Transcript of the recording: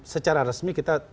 secara resmi kita